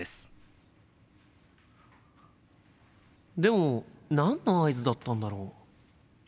心の声でも何の合図だったんだろう？